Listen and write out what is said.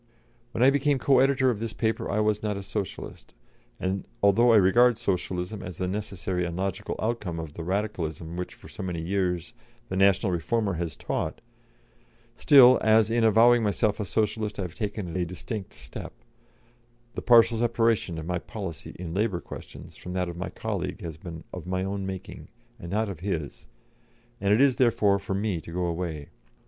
"When I became co editor of this paper I was not a Socialist; and, although I regard Socialism as the necessary and logical outcome of the Radicalism which for so many years the National Reformer has taught, still, as in avowing myself a Socialist I have taken a distinct step, the partial separation of my policy in labour questions from that of my colleague has been of my own making, and not of his, and it is, therefore, for me to go away.